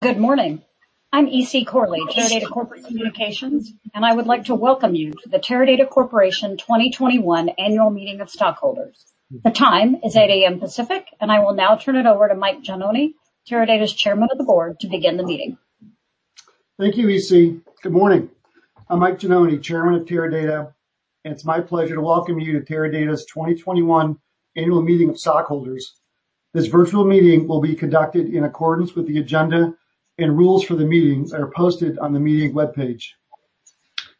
Good morning. I'm E.C. Corley, Teradata Corporate Communications, and I would like to welcome you to the Teradata Corporation 2021 Annual Meeting of Stockholders. The time is 8:00 A.M. Pacific, and I will now turn it over to Mike Gianoni, Teradata's Chairman of the Board, to begin the meeting. Thank you, E.C. Good morning. I'm Mike Gianoni, Chairman of Teradata, and it's my pleasure to welcome you to Teradata's 2021 Annual Meeting of Stockholders. This virtual meeting will be conducted in accordance with the agenda and rules for the meeting that are posted on the meeting webpage.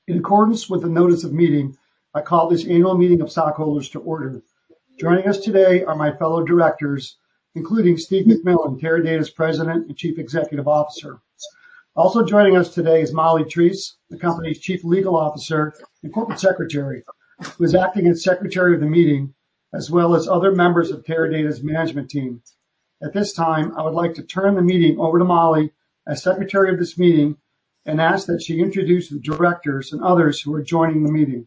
In accordance with the notice of meeting, I call this Annual Meeting of Stockholders to order. Joining us today are my fellow directors, including Steve McMillan, Teradata's President and Chief Executive Officer. Also joining us today is Molly Treese, the company's Chief Legal Officer and Corporate Secretary, who is acting as Secretary of the meeting, as well as other members of Teradata's management team. At this time, I would like to turn the meeting over to Molly as Secretary of this meeting and ask that she introduce the directors and others who are joining the meeting.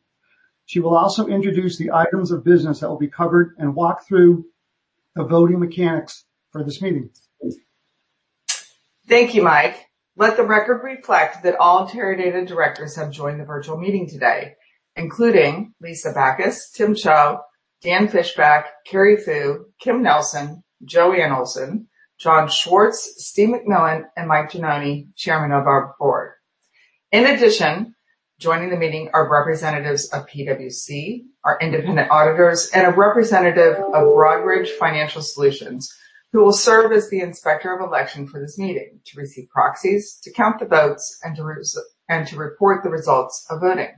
She will also introduce the items of business that will be covered and walk through the voting mechanics for this meeting. Thank you, Mike. Let the record reflect that all Teradata directors have joined the virtual meeting today, including Lisa Bacus, Tim Chou, Dan Fishback, Cary Fu, Kim Nelson, Joanne B. Olsen, John G. Schwarz, Steve McMillan, and Mike Gianoni, Chairman of our board. In addition, joining the meeting are representatives of PwC, our independent auditors, and a representative of Broadridge Financial Solutions, who will serve as the Inspector of Election for this meeting to receive proxies, to count the votes, and to report the results of voting.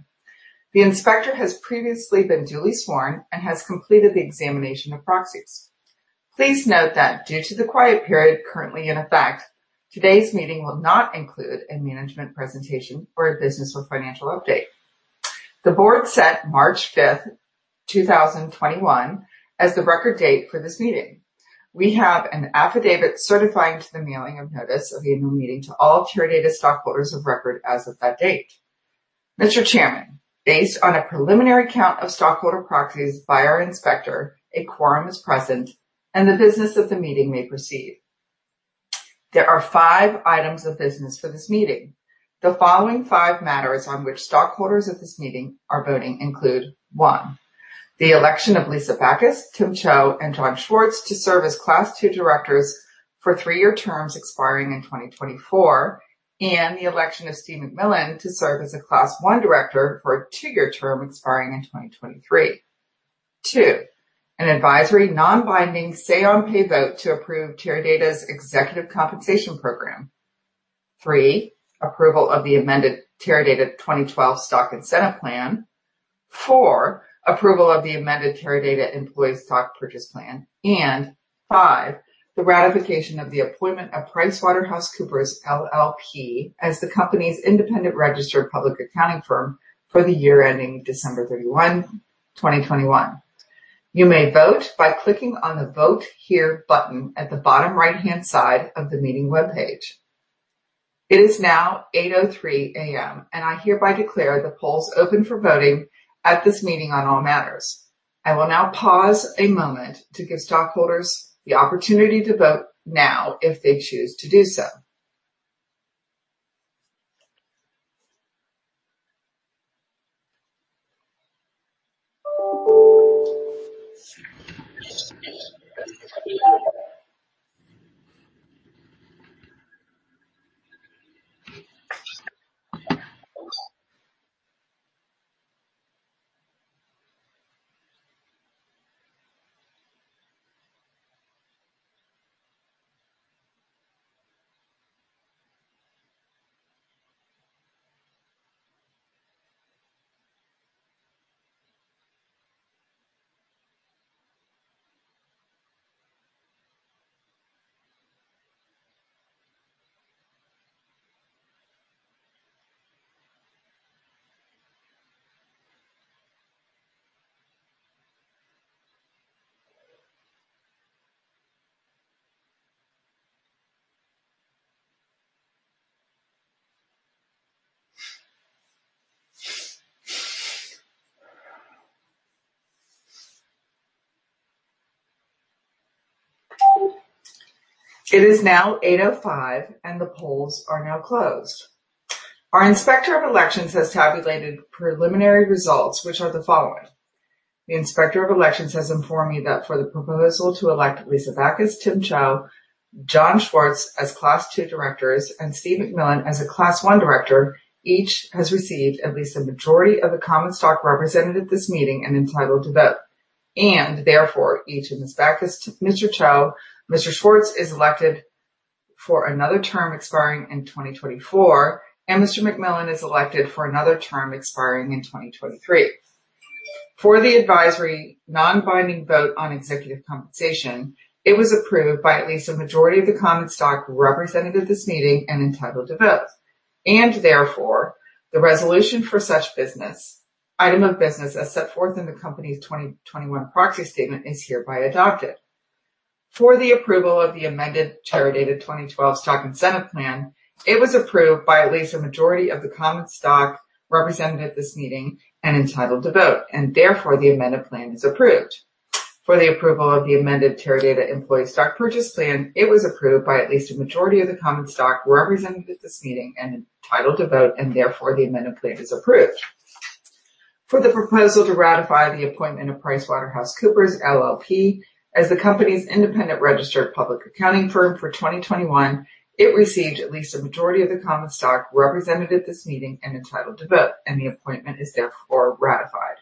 The inspector has previously been duly sworn and has completed the examination of proxies. Please note that due to the quiet period currently in effect, today's meeting will not include a management presentation or a business or financial update. The board set March 5th, 2021, as the record date for this meeting. We have an affidavit certifying to the mailing of notice of the annual meeting to all Teradata stockholders of record as of that date. Mr. Chairman, based on a preliminary count of stockholder proxies by our inspector, a quorum is present and the business of the meeting may proceed. There are five items of business for this meeting. The following five matters on which stockholders at this meeting are voting include, one, the election of Lisa Bacus, Timothy Chou, and John G. Schwarz to serve as Class II directors for three-year terms expiring in 2024, and the election of Steve McMillan to serve as a Class I director for a two-year term expiring in 2023. 2, an advisory, non-binding say on pay vote to approve Teradata's Executive Compensation Program. Three, approval of the amended Teradata 2012 Stock Incentive Plan. Four, approval of the amended Teradata Employee Stock Purchase Plan. Five, the ratification of the appointment of PricewaterhouseCoopers LLP as the company's independent registered public accounting firm for the year ending December 31, 2021. You may vote by clicking on the Vote Here button at the bottom right-hand side of the meeting webpage. It is now 8:03 A.M., and I hereby declare the polls open for voting at this meeting on all matters. I will now pause a moment to give stockholders the opportunity to vote now if they choose to do so. It is now 8:05 A.M., and the polls are now closed. Our Inspector of Elections has tabulated preliminary results, which are the following. The Inspector of Elections has informed me that for the proposal to elect Lisa Bacus, Tim Chou, John Schwarz as Class II directors, and Steve McMillan as a Class I director, each has received at least a majority of the common stock represented at this meeting and entitled to vote. Therefore, each of Ms. Bacus, Mr. Chou, Mr. Schwarz is elected for another term expiring in 2024, and Mr. McMillan is elected for another term expiring in 2023. For the advisory non-binding vote on executive compensation, it was approved by at least a majority of the common stock represented at this meeting and entitled to vote. Therefore, the resolution for such item of business as set forth in the company's 2021 proxy statement is hereby adopted. For the approval of the amended Teradata 2012 Stock Incentive Plan, it was approved by at least a majority of the common stock represented at this meeting and entitled to vote, and therefore the amended plan is approved. For the approval of the amended Teradata Employee Stock Purchase Plan, it was approved by at least a majority of the common stock represented at this meeting and entitled to vote, and therefore the amended plan is approved. For the proposal to ratify the appointment of PricewaterhouseCoopers LLP as the company's independent registered public accounting firm for 2021, it received at least a majority of the common stock represented at this meeting and entitled to vote, and the appointment is therefore ratified.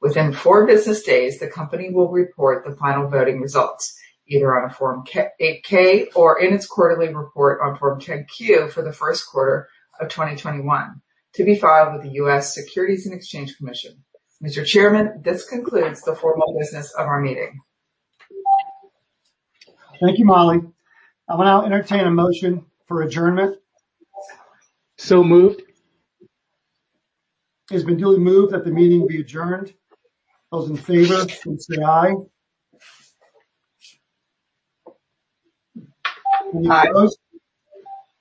Within four business days, the company will report the final voting results, either on a Form 8-K or in its quarterly report on Form 10-Q for the first quarter of 2021, to be filed with the U.S. Securities and Exchange Commission. Mr. Chairman, this concludes the formal business of our meeting. Thank you, Molly. I will now entertain a motion for adjournment. Moved. It has been duly moved that the meeting be adjourned. Those in favor, please say aye. Aye.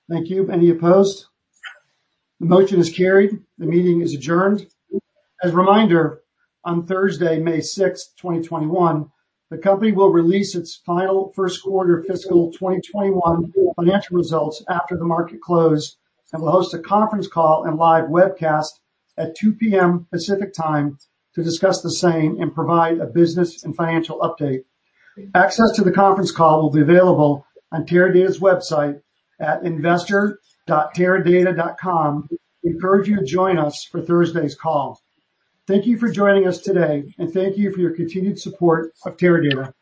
Thank you. Any opposed? The motion is carried. The meeting is adjourned. As a reminder, on Thursday, May 6th, 2021, the company will release its final first quarter fiscal 2021 financial results after the market close and will host a conference call and live webcast at 2:00 P.M. Pacific Time to discuss the same and provide a business and financial update. Access to the conference call will be available on Teradata's website at investor.teradata.com. We encourage you to join us for Thursday's call. Thank you for joining us today, and thank you for your continued support of Teradata.